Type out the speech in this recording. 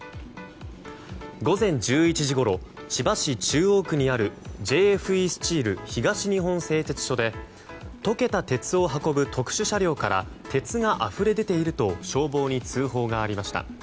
午前１１時ごろ千葉県中央区にあるＪＦＥスチール東日本製鉄所で溶けた鉄を運ぶ特殊車両から鉄があふれ出ていると消防に通報がありました。